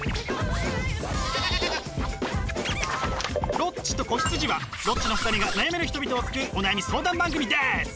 「ロッチと子羊」はロッチの２人が悩める人々を救うお悩み相談番組です！